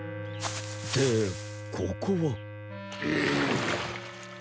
でここは。